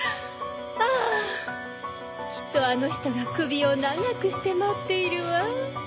ああきっとあの人が首を長くして待っているわ。